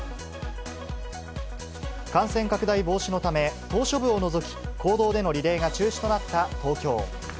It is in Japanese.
感染拡大防止のため、島しょ部を除き、公道でのリレーが中止となった東京。